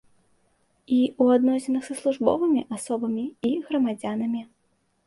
і ў адносінах са службовымі асобамі і грамадзянамі.